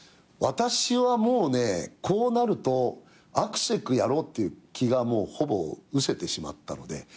私はもうねこうなるとあくせくやろうっていう気がもうほぼうせてしまったので。